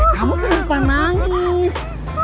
kamu kenapa nangis